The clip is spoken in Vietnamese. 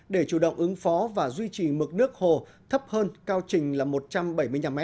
để chủ động ứng phó và duy trì mực nước hồ thấp hơn cao trình là một trăm bảy mươi năm m